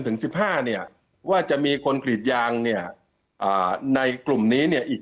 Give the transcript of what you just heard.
ถึงสิบห้าเนี่ยว่าจะมีคนกรีดยางเนี่ยในกลุ่มนี้เนี่ยอีก